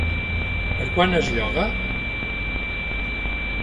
Per quant es lloga?